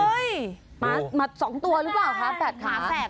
หุ้ยหมา๒ตัวรึเปล่าคะแปดขา